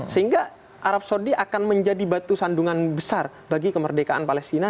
sehingga arab saudi akan menjadi batu sandungan besar bagi kemerdekaan palestina